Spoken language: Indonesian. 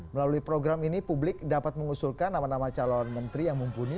melalui program ini publik dapat mengusulkan nama nama calon menteri yang mumpuni